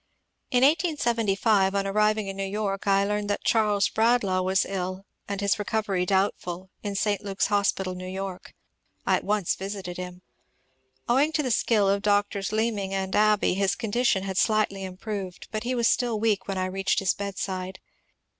In 1875, on arriving in New York, I learned that Charles Bradlaugh was ill, and his reooveiy doubtful, in St. Luke's Hospital, New York. I at once visited him. Owing to the skill of Drs. Learning and Abbey his condition had slightly improved, but he was still weak when I reached his bedside.